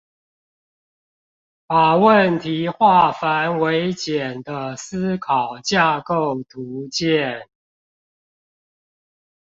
把問題化繁為簡的思考架構圖鑑